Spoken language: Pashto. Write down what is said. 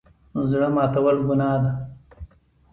زړه ماتول ګناه ده